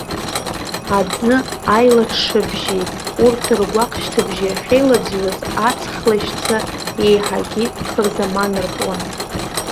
Аӡы аилаҽҽабжьи урҭ ргәаҟ-шьҭыбжьи ахьеилаӡҩоз аҵх лашьца еиҳагьы ихырзаманыртәуан.